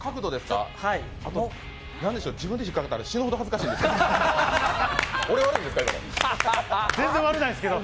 自分で引っ掛かったら死ぬほど恥ずかしいんですけど。